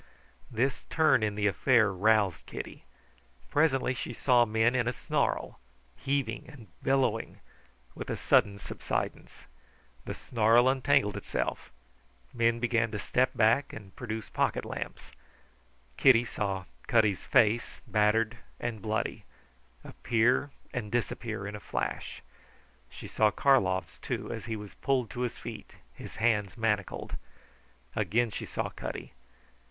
This turn in the affair roused Kitty. Presently she saw men in a snarl, heaving and billowing, with a sudden subsidence. The snarl untangled itself; men began to step back and produce pocketlamps. Kitty saw Cutty's face, battered and bloody, appear and disappear in a flash. She saw Karlov's, too, as he was pulled to his feet, his hands manacled. Again she saw Cutty.